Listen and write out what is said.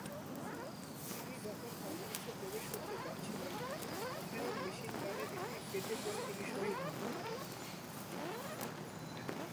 তিনি যখন কমপ্লেক্সে প্রবেশ করতে যাচ্ছিলেন, মাঝারি মেশিনগানের একটি ফেটে পড়ে তিনি শহীদ হন।